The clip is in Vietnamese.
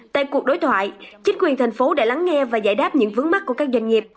tại cuộc đối thoại chính quyền thành phố đã lắng nghe và giải đáp những vướng mắt của các doanh nghiệp